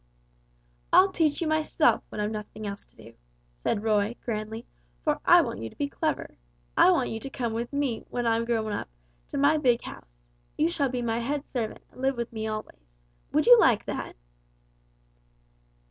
"I'll teach you myself when I've nothing else to do," said Roy, grandly; "for I want you to be clever. I want you to come with me, when I'm grown up, to my big house. You shall be my head servant, and live with me always. Would you like that?"